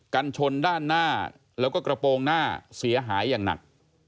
กันชนด้านหน้าแล้วก็กระโปรงหน้าเสียหายอย่างหนัก